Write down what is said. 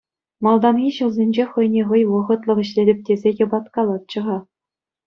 Малтанхи ҫулсенче хӑйне хӑй вӑхӑтлӑх ӗҫлетӗп тесе йӑпаткалатчӗ-ха.